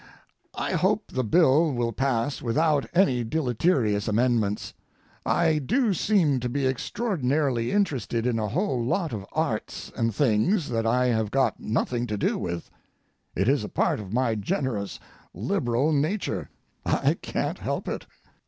I hope the bill will pass without any deleterious amendments. I do seem to be extraordinarily interested in a whole lot of arts and things that I have got nothing to do with. It is a part of my generous, liberal nature; I can't help it.